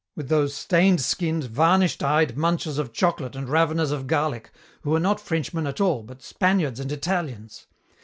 with those stained skinned, varnished eyed munchers of chocolate and raveners of garlic, who are not Frenchmen at all, but Spaniards and Italians.